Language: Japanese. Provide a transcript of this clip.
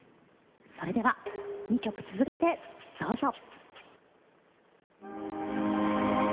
それでは２曲続けて、どうぞ。